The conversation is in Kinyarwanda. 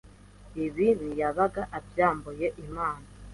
Ibi ntiyabaga abyambuye Imana.